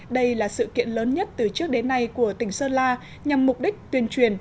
đây là sự kiện lớn nhất từ trước đến nay của tỉnh sơn la nhằm mục đích tuyên truyền